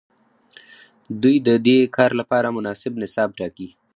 دوی ددې کار لپاره مناسب نصاب ټاکي.